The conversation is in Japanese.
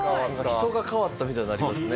人が変わったみたいになりますね。